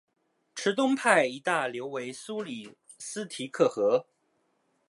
池东派一大流为苏里斯提克河。